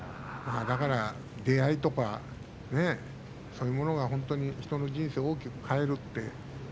出会いとかそういうものが本当に人の人生を大きく変えるって。